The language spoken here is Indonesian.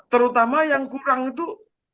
terutama yang kurang itu